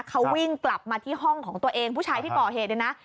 เขาวิ่งกลับมาที่ห้องของตัวเองผู้ชายที่ก่อเหตุเนี่ยนะ